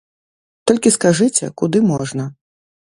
Толькі скажыце, куды можна.